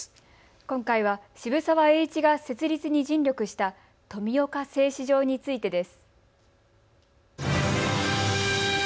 今回は渋沢栄一が設立に尽力した富岡製糸場についてです。